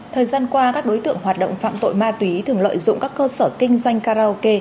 thời gian qua các đối tượng hoạt động phạm tội ma túy thường lợi dụng các cơ sở kinh doanh karaoke